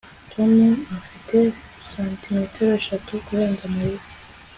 Tom afite santimetero eshatu kurenza Mariya